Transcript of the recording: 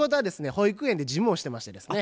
保育園で事務をしてましてですね。